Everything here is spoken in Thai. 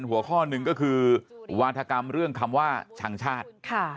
หัวข้อหนึ่งก็คือวาธกรรมเรื่องคำว่าชังชาติ